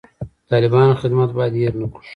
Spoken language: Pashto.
د طالبانو خدمت باید هیر نه کړو.